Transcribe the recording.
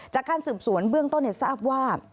จากการสืบสวนเบื้องต้นทราบว่า